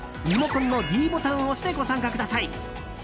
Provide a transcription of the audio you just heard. リモコンのｄボタンを押してご参加ください。